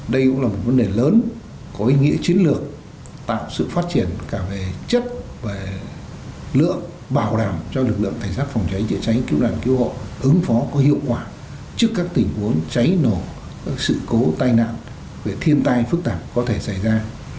đây cũng là một vấn đề lớn có ý nghĩa chiến lược tạo sự phát triển cả về chất và lượng bảo đảm cho lực lượng cảnh sát phòng cháy chữa cháy cứu nạn cứu hộ ứng phó có hiệu quả trước các tình huống cháy nổ các sự cố tai nạn thiên tai phức tạp có thể xảy ra